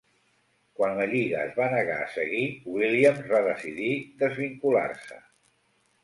Quan la lliga es va negar a seguir, Williams va decidir desvincular-se.